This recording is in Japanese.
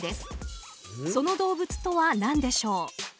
その動物とは何でしょう？